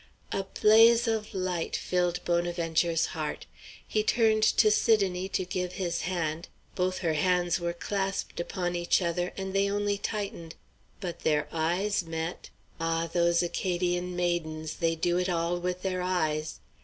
A blaze of light filled Bonaventure's heart. He turned to Sidonie to give his hand both her hands were clasped upon each other, and they only tightened. But their eyes met ah! those Acadian maidens, they do it all with their eyes!